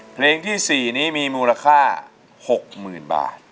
เพลงที่๔นี้มีมูลค่า๖๐๐๐บาท